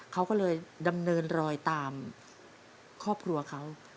เขาก็เลยดำเนินรอยตามครอบครัวเขา